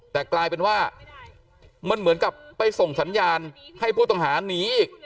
แต่กลายเป็นว่ามันเหมือนกับไปส่งสัญญาณให้ผู้ต้องหาหนีอีก